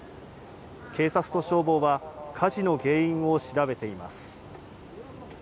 警察と消防は火事の原因を調べています。